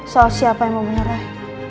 soal siapa yang membunuh roy